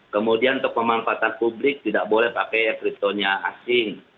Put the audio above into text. kemudian untuk pemanfaatan publik tidak boleh pakai cryptonya asing